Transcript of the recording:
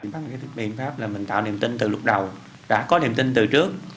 biện pháp là mình tạo niềm tin từ lúc đầu đã có niềm tin từ trước